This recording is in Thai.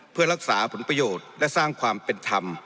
เพื่อรักษาผลประโยชน์และสร้างความเป็นธรรม